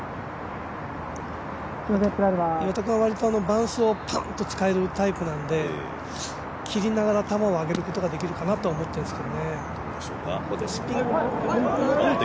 岩田君は割とバンと使えるタイプなので切りながら球を上げることができるかなと思いますね。